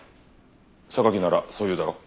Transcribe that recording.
榊ならそう言うだろう？